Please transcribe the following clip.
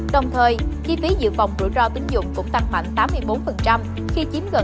đồng thời chi phí giữ phòng rủi ro tính dụng cũng tăng mạnh tám mươi bốn